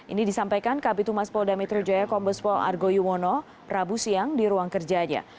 ini disampaikan kabitumas polda metro jaya kombespol argo yuwono rabu siang di ruang kerjanya